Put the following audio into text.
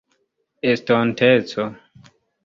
estonteco